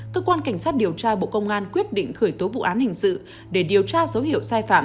cơ quan cảnh sát điều tra bộ công an quyết định khởi tố vụ án hình sự để điều tra dấu hiệu sai phạm